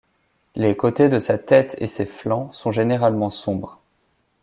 Les côtés de sa tête et ses flancs sont généralement sombre.